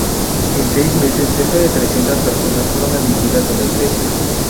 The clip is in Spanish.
En seis meses, cerca de trescientas personas fueron admitidas en la iglesia.